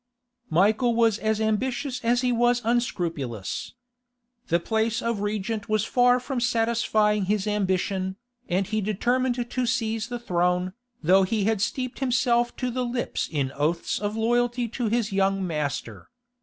Michael was as ambitious as he was unscrupulous. The place of regent was far from satisfying his ambition, and he determined to seize the throne, though he had steeped himself to the lips in oaths of loyalty to his young master.